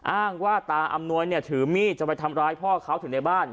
อ้างว่าตาอำนวยเนี่ยถือมีดจะไปทำร้ายพ่อเขาถึงในบ้าน